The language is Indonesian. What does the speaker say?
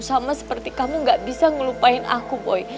sama seperti kamu gak bisa ngelupain aku boy